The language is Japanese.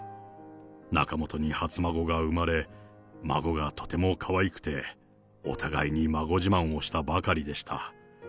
仲本に初孫が生まれ、孫がとてもかわいくて、お互いに孫自慢をしたばかりでした。